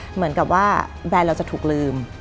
เหมือนกับว่าแบรนด์เราจะถูกลืม